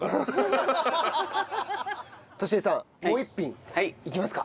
とし江さんもう一品いきますか。